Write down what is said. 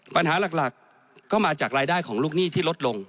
ปัญหาหลักก็มาจากรายได้ของลูกหนี้ที่ลดลง